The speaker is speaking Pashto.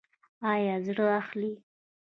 ایا زړه اخلئ؟